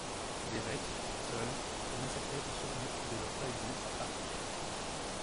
Les reîtres, seuls, furent massacrés en souvenir de leur trahison à Arques.